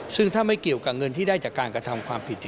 ซึ่งถ้าไม่เกี่ยวกับเงินที่ได้จากการกระทำความผิด